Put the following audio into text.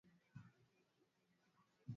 nashindwa ni nini ntafanya uridhike